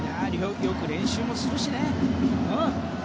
よく練習もするしね。